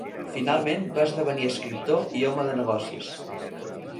Finalment va esdevenir escriptor i home de negocis.